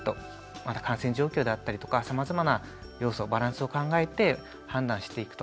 また感染状況であったりとかさまざまな要素バランスを考えて判断していくと。